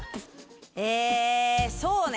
えそうね